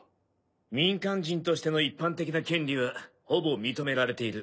民間人としての一般的な権利はほぼ認められている。